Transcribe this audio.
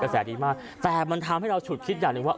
แสดีมากแต่มันทำให้เราฉุดคิดอย่างหนึ่งว่า